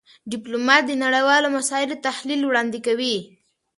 ډيپلومات د نړېوالو مسایلو تحلیل وړاندې کوي.